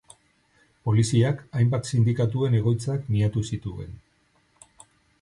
Poliziak hainbat sindikatuen egoitzak miatu zituen.